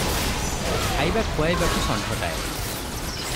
ଖାଇବା ଖୁଆଇବାକୁ ଷଣ୍ଢଟାଏ ।